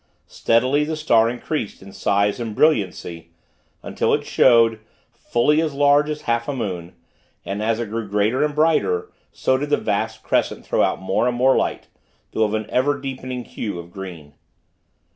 Steadily, the star increased in size and brilliancy, until it showed, fully as large as half a full moon; and, as it grew greater and brighter, so did the vast crescent throw out more and more light, though of an ever deepening hue of green.